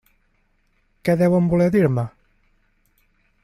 Què deuen voler dir-me?